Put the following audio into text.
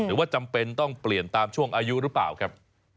หรือว่าจำเป็นต้องเปลี่ยนตามช่วงอายุหรือเปล่าครับ